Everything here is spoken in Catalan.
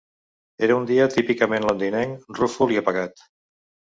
Era un dia típicament londinenc, rúfol i apagat.